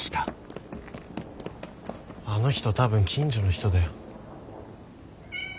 あの人多分近所の人だよ。